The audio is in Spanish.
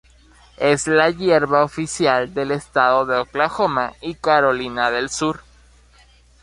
Es la hierba oficial del estado de Oklahoma y Carolina del Sur.